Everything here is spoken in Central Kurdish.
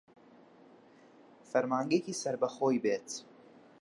فەرمانگەیەکی سەر بە خۆی بێت